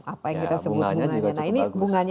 apa yang kita sebut bunganya nah ini bunganya